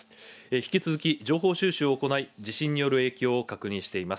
引き続き情報収集を行い、地震による影響を確認しています。